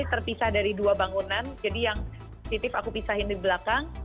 terpisah dari dua bangunan jadi yang positif aku pisahin di belakang